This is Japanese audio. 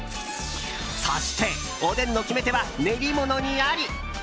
そして、おでんの決め手は練り物にあり！